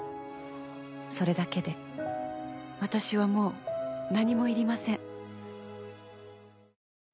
それだけで私はもう何も要りません。